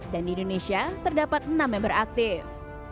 dan di indonesia terdapat enam member aktif